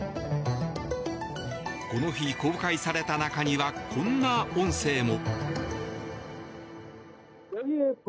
この日、公開された中にはこんな音声も。